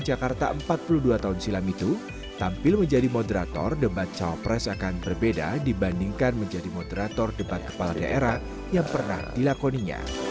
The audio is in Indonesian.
jakarta empat puluh dua tahun silam itu tampil menjadi moderator debat cawapres akan berbeda dibandingkan menjadi moderator debat kepala daerah yang pernah dilakoninya